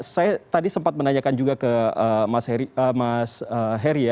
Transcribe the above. saya tadi sempat menanyakan juga ke mas heri ya